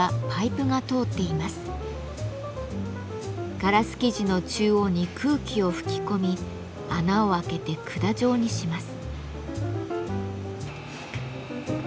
ガラス素地の中央に空気を吹き込み穴を開けて管状にします。